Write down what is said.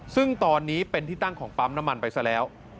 ซึ่งตอนนี้เป็นที่ตั้งของปั๊มน้ำมันไปซะแล้ว